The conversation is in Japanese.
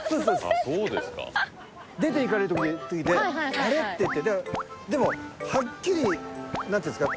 あっそうですか出て行かれる時で「あれ？」って言ってでもはっきり何ていうんですか？